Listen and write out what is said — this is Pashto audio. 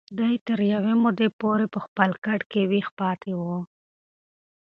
دی تر یوې مودې پورې په خپل کټ کې ویښ پاتې و.